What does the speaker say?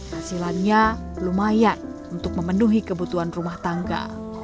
hasilannya lumayan untuk memenuhi kebutuhan rumah tangga